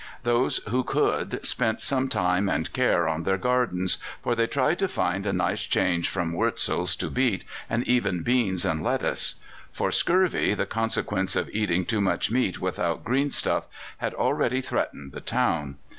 Those who could spent some time and care on their gardens, for they tried to find a nice change from wurzels to beet, and even beans and lettuce. For scurvy, the consequence of eating too much meat without green stuff, had already threatened the town.